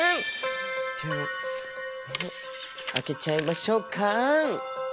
じゃあ開けちゃいましょうか。